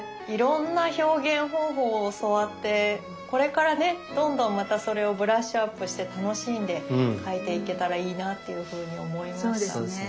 いろんな表現方法を教わってこれからねどんどんまたそれをブラッシュアップして楽しんで描いていけたらいいなっていうふうに思いましたね。